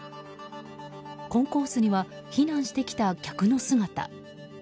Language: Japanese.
コンコースには避難してきた客の姿。